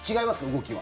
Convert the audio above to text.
動きは。